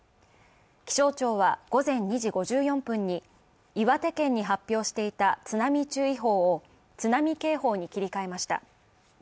気象庁は午前２時５４分に岩手県に発表していた津波注意報を、津波警報に切り替えました。